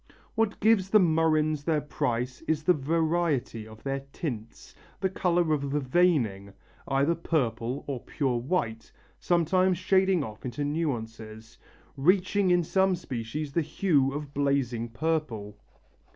What gives the murrhines their price is the variety of their tints, the colour of the veining, either purple or pure white, sometimes shading off into nuances, reaching in some species the hue of blazing purple.